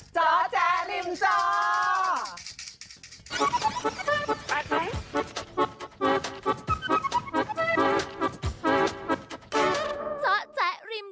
เจ้าแจริมเจ้า